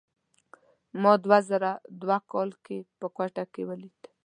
ما دوه زره دوه کال کې په کوټه کې ولید.